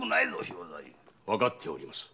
わかっております。